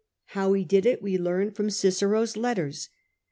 How he did it we learn from Cicero's letters.